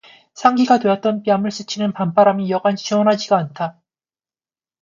상기가 되었던 뺨을 스치는 밤바람이 여간 시원하지가 않다.